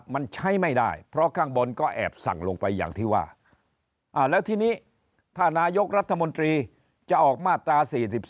มันใช้ไม่ได้เพราะข้างบนก็แอบสั่งลงไปอย่างที่ว่าแล้วทีนี้ถ้านายกรัฐมนตรีจะออกมาตรา๔๒